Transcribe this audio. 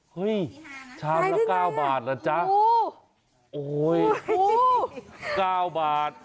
เฮ้ยชามละ๙บาทล่ะจ๊ะโอ้ย๙บาท